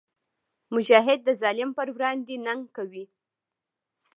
مجاهد د ظالم پر وړاندې ننګ کوي.